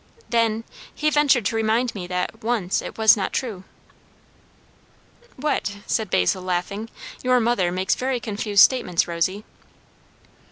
"Then, he ventured to remind me that once it was not true." "What?" said Basil, laughing. "Your mother makes very confused statements, Rosy?"